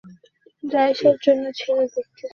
Hokkaido দ্বীপটি কোথায়?